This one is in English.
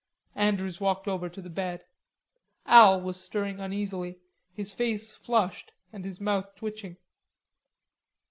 Andrews walked over to the bed. Al was stirring uneasily, his face flushed and his mouth twitching.